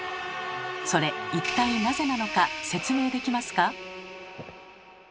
それ一体なぜなのか説明できますか？